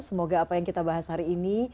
semoga apa yang kita bahas hari ini